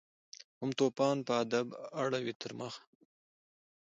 هم توپان په ادب اړوي تر مخه